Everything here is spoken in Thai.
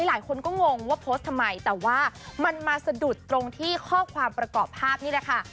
หลายคนก็งงว่าโพสต์ทำไมแต่ว่ามันมาสะดุดตรงที่ข้อความประกอบภาพนี่แหละค่ะ